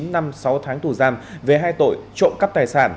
chín năm sáu tháng tù giam về hai tội trộm cắp tài sản